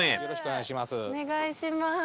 よろしくお願いします。